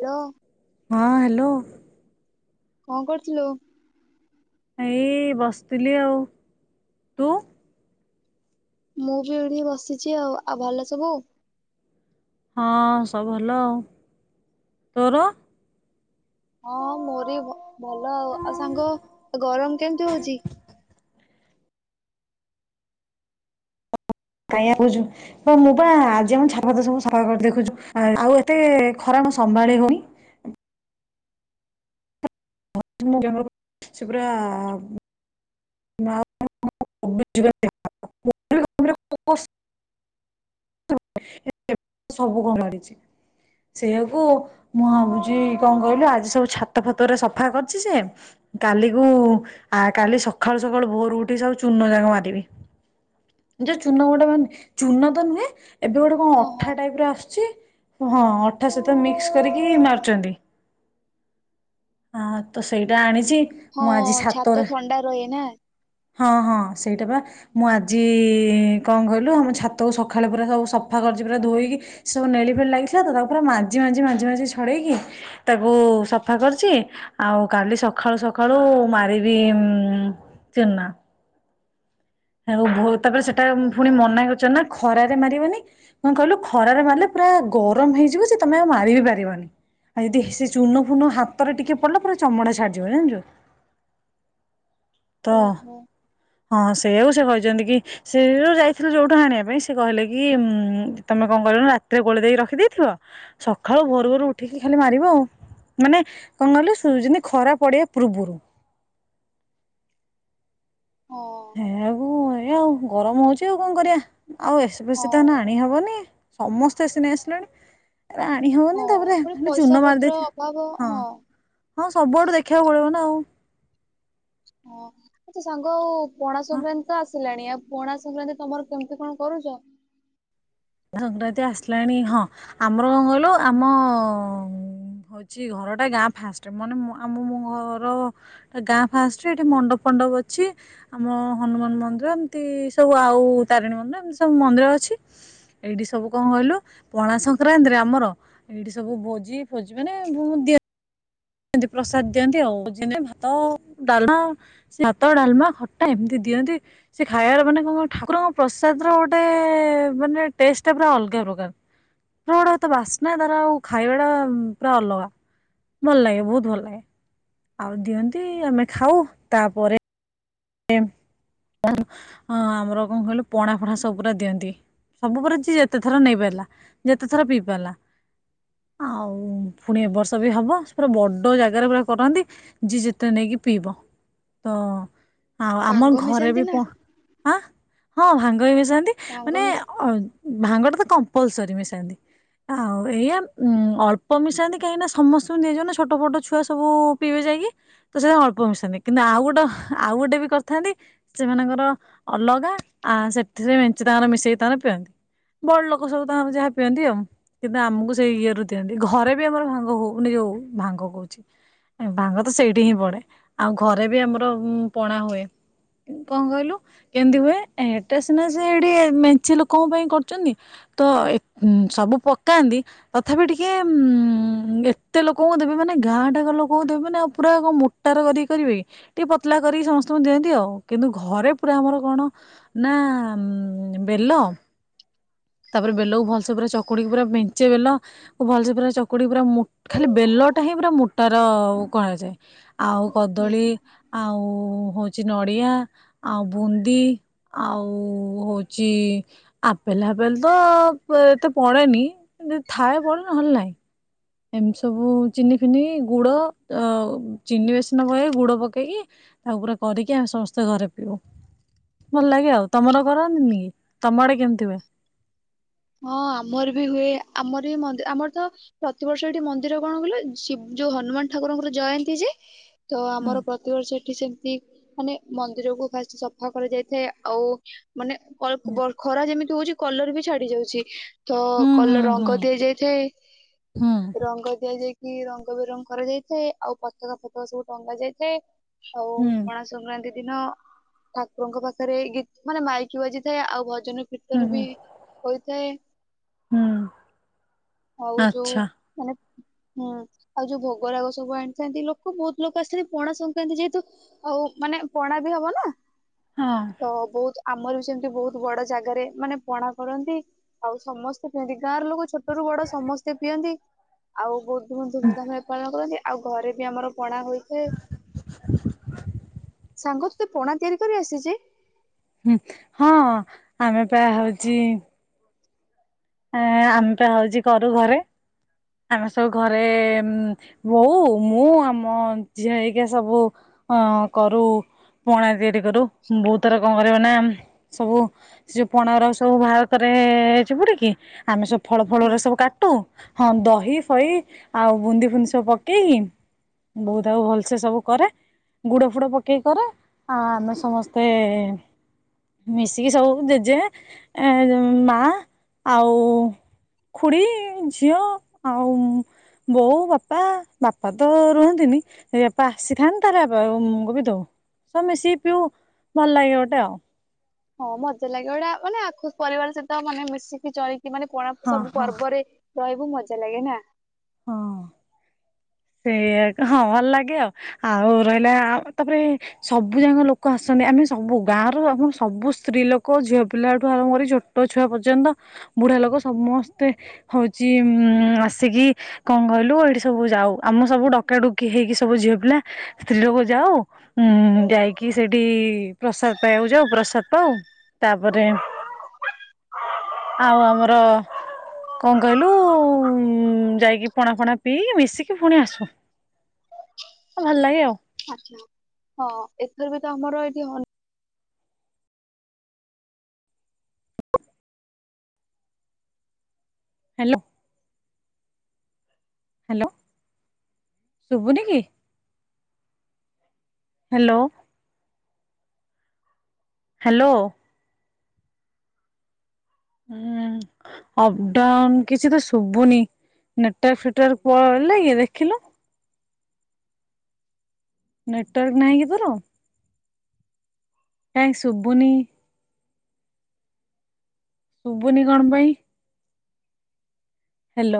Hello ହଁ hello. କଣ କରୁଥୁଲୁ? ଏଇ ବସିଥିଲି ଆଉ, ତୁ? ମୁଁ ବି ଏଇଠି ବସିଛି ଆଉ, ଆଉ ଭଲ ସବୁ? ହଁ ସବୁ ଭଲ, ତୋର? ହଁ ମୋର ବି ଭ ଭଲ ଆଉ ଆଉ ସାଙ୍ଗ ଗରମ କେମିତି ହଉଚି? କାଇଁ ଆଉ କହୁଛୁ ହଁ ମୁଁ ପା ଆଜି ଆମ ଛାତ ଫାତ ସବୁ ସଫା କରି ଦେଖୁଛୁ, ଆଉ ଏତେ ଖରା ମା-ସମ୍ଭାଳି ହଉନି। ଉଁ [unintelligible] ସେ ପୁରା [inaudible] ସବୁକୁ ମାଡିଛି, ସେଇଆ କୁ ମୁଁ ଭାବୁଚି କଣ କହିଲୁ ଆଜି ସବୁ ଛାତ ଫାତ ରେ ସଫା କରିଛି ସେ କାଲି କୁ ଆ କାଲି ସ ଖାଳୁ ସକାଳୁ ଭୋରୁ ଉଠି ସବୁ ଚୂନ ଯାକ ମାରିଦେବି, ଯୋଉ ଚୂନ ଗୋଟେ ବାହାରିନି ଚୂନ ତ ନୁହେଁ ଏବେ ଗୋଟେ କଣ ହଁ ଅଠା ଟାଇପ୍ ର ଆସୁଛି ହଁ ଅଠା ସହିତ ମିକ୍ସ ହଁ କରିକି ମାରୁଚନ୍ତି। ହଁ ତ ସେଇଟା ଆଣି ହଁ ଛାତ ଥଣ୍ଡା ରହେ ନା। ହଁ ହଁ ସେଇଟା ବା ମୁଁ ଆଜି କଣ କହିଲୁ ଆମ ଛାତକୁ ସଖାଳେ ପୁରା ସବୁ ସଫା କରିଚି, ପୁରା ଧୋଇକି ସେ ସବୁ ନେଳି ଫେଳି ଲାଗିଥିଲା ତ ତାକୁ ପୁରା ମାଜି ମାଜି ମାଜି ମାଜି ଛଡେଇକି ତାକୁ ସଫା କରିଛି, ଆଉ କାଲି ସଖାଳୁ ସଖାଳୁ ମାରିବି ଉଁ ଚୂନ। ଆଉ [unintelligible] ତାପରେ ସେଟା ଫୁଣି ଓହୋ ମନା କରିଚନ୍ତି ନା ଖରାରେ ମାରିବନି। କଣ କହିଲୁ ଖରାରେ ମାରିଲେ ପୁରା ଗରମ ହେଇଯିବ ସେ ତୋମେ ଆଉ ମାରିବିି ପାରିବନି, ଆଉ ଯଦି ସେ ଚୁନ ଫୁନ ହାତରେ ଟିକେ ପଡିଲା ପୁରା ଚମଡ଼ା ଛାଡିଯିବ ଜାଣିଚୁ। ତ ଓହୋ। ହଁ ହେଉ ସେ କହିଚନ୍ତି କି ସେ ଯୋଉ ଯାଇଥିଲି ଯୋଉଠୁ ଆଣିବା ପାଇଁ ସେ କହିଲେ କି ଉଁ ତୋମେ କଣ କରିବନା ରାତିରେ ଗୋଳେଇ ଦେଇକି ରଖିଦେଇଥିବ ସଖାଳୁ ଭୋରୁ ହୁଁ ଭୋରୁ ଉଠିକି ଖାଲି ମାରିବ ଆଉ। ମାନେ କଣ କହିଲୁ ସୁ-ଯେମିତି ଖରା ପଡ଼ିବା ପୂର୍ବରୁ। ହଁ ହେୟାକୁ ଏଇଆ ଆଉ ଗରମ ହଉଛି ଆଉ କଣ କରିବା। ଆଉ ଏସି ପେଶି ତ ଏଇନା ହଁ ଆଣି ହବନି। ସମସ୍ତେ ଏସିି ନେଇ ଆସିଲେଣି। ଏରା ଆଣି ହବନି ହଁ ତାପରେ ପୁଣି ଚୂନ ପଇସା ମାରି ପତ୍ର ଦେଇଥିବା ଅଭାବ ହଁ ହଁ ସବୁଆଡୁ ଦେଖିବାକୁ ପଡିବ ନା। ହଁ ଆଚ୍ଛା ସାଙ୍ଗ ପଣା ହଁ। ସଂକ୍ରାନ୍ତି ତ ଆସିଲାଣି ଆଉ ପଣା ସଂକ୍ରାନ୍ତି ତୋମର କେମତି କଣ କରୁଚ? ସଂକ୍ରାନ୍ତି ଆସିଲାଣି ହଁ ଆମର କଣ କହିଲୁ ଆମ ହଉଛି ଘରଟା ଗାଁ ଫାଷ୍ଟରେ ମାନେ ଆମ ମୋ ଘର ଟା ଗାଁ ଫାଷ୍ଟରେ ଏଠି ମଣ୍ଡପ ଫଣ୍ଡପ ଅଛି, ଆମ ହନୁମାନ ମନ୍ଦିର ଏମିତି ସବୁ ଆଉ ତାରିଣୀ ମନ୍ଦିର ଏମିତି ସବୁ ମନ୍ଦିର ଅଛି। ଏଇଠି ସବୁ କଣ କହିଲୁ ପଣା ସଂକ୍ରାନ୍ତିରେ ଆମର ଏଇଠି ସବୁ ଭୋଜି ଫୋଜି ମାନେ ଭୁଭୁ ଦି ନ୍ତି ପ୍ରସାଦ ଦିଅନ୍ତି ଆଉ ଯେମିତି ଭାତ ଡାଲମା ଭାତ ଡାଲମା ଖଟା ଏମିତି ଦିଅନ୍ତି, ସେ ଖାଇବାର ମାନେ କଣ କହ ଠାକୁରଙ୍କ ପ୍ରସାଦର ଗୋଟେ ମାନେ ଟେଷ୍ଟ ଟା ପୁରା ଅଲଗା ପ୍ରକାର, ଭୋଗଟା ଏତେ ବାସ୍ନା ତାର ଆଉ ଖାଇବା ଟା ପୁରା ଅଲଗା, ଭଲ ଲାଗେ। ବହୁତ ଭଲ ଲାଗେ, ଆଉ ଦିଅନ୍ତି ଆମେ ଖାଉ, ତାପରେ ଏ- [inaudible] ଅଁ, ଆମର କଣ କହିଲୁ ପଣା ଫଣା ସବୁ ପୁରା ଦିଅନ୍ତି, ସବୁ ପୁରା ଯିଏ ଯେତେ ଥର ନେଇ ପାରିଲା, ଯେତେ ଥର ପିଇ ପାରିଲା, ଆଉ ପୁଣି ଏ ବର୍ଷ ବି ହବ, ପୁରା ବଡ ଜାଗାରେ ପୁରା କରନ୍ତି ଯିଏ ଯେତେ ନେଇକି ପିଇବ, ତ ଆଉ ଆମ ଭାଙ୍ଗ ଘରେ ମିଶାନ୍ତି ବି ନା। ପ- ଆଁ, ହଁ ଭାଙ୍ଗ ହି ମିସ୍ ଯାଆନ୍ତି ଭାଙ୍ଗ ମାନେ ମିଶା ଅ ଭାଙ୍ଗ ଟା ତ କମ୍ପଲସରି ମିଶାନ୍ତି। ଆଉ ଏଇଆା ଉ ଅଳ୍ପ ମିଶାନ୍ତି କାହିଁକିନା ସମସ୍ତଙ୍କୁ ଦିଆଯିବ ନା ଛୋଟ ପୋଟ ଛୁଆ ସବୁ ପିଇବେ ଯାଇକି ତ ସେ ଅଳ୍ପ ମିଶାନ୍ତି। କିନ୍ତୁ ଆଉ ଗୋଟେ ହ ଆଉ ଗୋଟେ ବି କରିଥାନ୍ତି ସେମାନଙ୍କର ଅଲଗା ଆ ସେଥିରେ ମେଞ୍ଚେ ତାଙ୍କର ମିଶେଇ ତାଙ୍କର ପିଅନ୍ତି। ବଡ଼ ଲୋକ ସବୁ ତାଙ୍କର ଯାହା ପିଅନ୍ତି ଆଉ। କିନ୍ତୁ ଆମକୁ ସେଇ ଇଏରୁୁ ଦିଅନ୍ତି। ଘରେ ବି ଆମର ଭାଙ୍ଗ ହଉନି ଯୋଉ ଭାଙ୍ଗ କହୁଛି ଭାଙ୍ଗ ତ ସେଇଠି ହିଁ ପଡ଼େ ଆଉ ଘରେ ବି ଆମର ଉ ପଣା ହୁଏ। କଣ କହିଲୁ କେମିତି ହୁଏ। ଏଟା ସିନା ସେ ଏଠି ମେଞ୍ଚେ ଲୋକଙ୍କ ପାଇଁ କରୁଛନ୍ତି। ତ ଏ ହୁମ ସବୁ ପକାନ୍ତି ତଥାପି ଟିକେ ଉ-ଉ-ଉ ଏତେ ଲୋକଙ୍କୁ ଦେବେ ମାନେ ଗାଁଟାକ ଲୋକଙ୍କୁ ଦେବେ ମାନେ ଆଉ ପୁରା କଣ ମୋଟାର କରିକି କରିବେ କି ଟିକେ ପତଲା କରିକି ସମସ୍ତ ତମ ଦିଅନ୍ତି ଆଉ କିନ୍ତୁ ଘରେ ପୁରା ଆମର କଣ ନା ଆ ବେଲ ତାପରେ ବେଲକୁ ଭଲସେ ପୁରା ଚକୁଡିକି ପୁରା ମେଞ୍ଚେ ବେଲ କୁ ଭଲସେ ପୁରା ଚକୁଡି ପୁରା ମୋ ଖାଲି ବେଲ ଟା ହିଁ ପୁରା ମୋଟାର ଅ-ଅ-ଅ କରାଯାଏ। ଆଉ ହୁଁ କଦଳୀ ଆଉ ଉ-ଉ ହଉଛି ନଡ଼ିଆ, ଆଉ ବୁନ୍ଦି, ଆଉ ଉ-ଉ-ଉ ହଉଛି ଆପେଲା ପଲ ତ ଏତେ ପଡେନି ଯଦି ଥାଏ ପଡେ ନ ହେଲେ ନାହିଁ। ଏମିତି ସବୁ ଚିନି ଫିନି ଗୁଡ ଅ ଚିନିରେ ସିନା ପ ଗୁଡ ପକେଇକି ତା ଉପରେ କରିକି ଆ ସମସ୍ତେ ଘରେ ପିଉ। ଭଲ ଲାଗେ ଆଉ ତମର କରନ୍ତିନି କି। ତମ ଆଡେ କେମିତି ହୁଏ। ହଁ ଆମର ବି ହୁଏ। ଆମର ବି ମଦି ଆମର ତ ପ୍ରତିବର୍ଷ ଏଠି ମନ୍ଦିର କଣ କହିଲ ଶିବ୍ ଯୋଉ ହନୁମାନ ଠାକୁରଙ୍କର ଜୟନ୍ତୀ ଯେ ତ ଆମର ହୁଁ ପ୍ରତିବର୍ଷ ଏଠି ସେମତି ମାନେ ମନ୍ଦିର କୁ ଫାଷ୍ଟ୍ ସଫା କରାଯାଇଥାଏ। ଆଉ ମାନେ ଅ ବ ଖରା ଯେମିତି ହଉଛି କଲର ବି ଛାଡି ଯାଉଛି। ଛି ତ ହୁଁ କଲର ହୁଁ ହୁଁ ରଙ୍ଗ ଦିଆ ଯାଇଥାଏ। ହୁଁ ରଙ୍ଗ ଦିଆଯାଇକି ରଙ୍ଗ ବିରଙ୍ଗ କରାଯାଇଥାଏ। ଆଉ ପତକା ଫତକା ସବୁ ଟଙ୍ଗା ଯାଇଥାଏ। ଆଉ ହୁଁ ପଣା ସଂକ୍ରାନ୍ତି ଦିନ ଠାକୁରଙ୍କ ପାଖରେ ଗୀତ୍ ମାନେ ମାଇକି ବାଜିଥାଏ ଆଉ ଭଜନ ହୁଁ କୀର୍ତ୍ତନ ହୁଁ ବି ସେ ହୁଁ। ଆଉ ଯୋଉ ଆଚ୍ଛା ମାନେ ହୁଁ ଆଉ ଯୋଉ ଭୋଗରାଗ ସବୁ ଆଣିଥାନ୍ତି ଲୋକ ବହୁତ ଲୋକ ଆସିଥାନ୍ତି ପଣା ସଂକ୍ରାନ୍ତି ଯେହେତୁ ଆଉ ମାନେ ପଣା ବି ହବ ନା। ହଁ ତ ବହୁତ ଆମର ବି ସେମିତି ବହୁତ ବଡ ଜାଗାରେ ମାନେ ପଣା କରନ୍ ନ୍ତି ଆଉ ସମସ୍ତେ ପିଅନ୍ତି। ଗାଁ ର ଲୋକ ଛୋଟ ରୁ ବଡ ସମସ୍ତେ ପିଅନ୍ତି। ଆଉ ବହୁ ଧୁମଧାମରେ ପାଳନ କରନ୍ତି ଆଉ ଘରେ ବି ଆମର ପଣା ହୋଇଥାଏ। ସାଙ୍ଗ ତୋତେ ପଣା ତିଆରି କରି ଆସିଚି? ହୁଁ ହଁ ଆମେ ପା ହଉଛି। ଏ-ଏ ଆମେ ପା ହଉଛି କରୁ ଘରେ। ଆମେ ସବୁ ଘରେ ଏ-ଏ ବୋଉ, ମୁଁ, ଆମ ଝିଅ ହେରିକା ସବୁ ଅ କରୁ ପଣା ତିଆରି କରୁ। ବୋଉ ତାର କଣ କରିବ ନା ସବୁ ସେ ଯୋଉ ପଣାର ସବୁ ବାହାର କରେ ଚିପୁଡ଼ିକି ଆମେ ସବୁ ଫଳ ହୁଁ ଫଳରେ ସବୁ କାଟୁ ହଁ ଦହି ଫହି ଆଉ ବୁନ୍ଦି ଫୁନ୍ଦି ସବୁ ପକେଇକି ବୋଉ ତାକୁ ଆଉ ଭଲସେ ସବୁ କରେ, ଗୁଡ଼ ଫୁଡ଼ ପକେଇ କରେ। ଆ ଆମେ ସମସ୍ତେ ଏ-ଏ ମିଶିକି ସବୁ ଜେଜେ ଏ ଯ ମା ଆଉ ଖୁଡ଼ି ଝିଅ ଆଉ ବୋଉ, ବାପା। ବାପା ତ ରୁହନ୍ତିନି ସେ ବାପା ଆସିଥାନନ୍ତି ତାର ବାପା ମୁ କ ବି ଦଉ। ସବୁ ମିଶିକି ପିଉ ଭଲ ଲାଗେ ଗୋଟେ ଆ ହଁ ମଜା ଲାଗେ ଗୋଟେ ମାନେ ଆଖୁ ପରିବାର ସହିତ ମାନେ ମିଶିକି ଚଳିକି ସେ ମାନେ କୋଣାକ ହଁ ସବୁ ହଁ ପର୍ବରେ ରହିବୁ ମଜା ଲାଗେ ନା। ହଁ ସେଇଆା ହଁ ଭଲ ଲାଗେ ଆଉ ଆଉ ରହିଲା ତାପରେ ସବୁ ଯାକ ଲୋକ ଆସନ୍ତି ଆମେ ସବୁ ଗାଁର ଆମ ସବୁ ସ୍ତ୍ରୀ ଲୋକ ଝିଅ ପିଲାଠୁ ଆରମ୍ଭ କରି ଛୋଟ ଛୁଆ ପର୍ଯ୍ୟନ୍ତ ବୁଢା ଲୋକ ସମସ୍ତେ ହଉଛି ଉ ଆସିକି କଣ କହିଲୁ ଏଇଠି ସବୁ ଯାଉ ଆମ ସବୁ ଡକାଡୁକି ହେଇକି ସବୁ ଝିଅ ପିଲା ସ୍ତ୍ରୀ ଲୋକ ଯାଉ ଉ ଯାଇକି ସେଇଠି ପ୍ରସାଦ ପାଇବାକୁ ଯାଉ ପ୍ରସାଦ ପାଉ ତାପରେ ଆଉ ଆମର କଣ କହିଲୁ ଉ ଯାଇକି ପଣା ଫଣା ପିଇ ମିଶିକି ପୁଣି ଆସୁ ହ ଭଲ ଲାଗେ ଆଉ ଆଛା ହଁ ଏଥର ବି ତ ଆମର ଏଇଠି ହ ହ୍ୟାଲୋ ହ୍ୟାଲୋ ଶୁଭୁନି କି? ହ୍ୟାଲୋ। ହ୍ୟାଲୋ। ହଁ ଅପଡାଉନ କିଛି ତ ଶୁଭୁନି ନେଟୱର୍କ ଫେଟ୍ୱାର୍କ ଦେଖିଲୁ ନେଟୱର୍କ ନାହିଁ କି ତୋର କାଇଁ ସୁଭୁନି? ଶୁବୁନି କଣ ପାଇଁ ହ୍ୟାଲୋ।